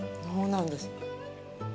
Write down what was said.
そうなんです。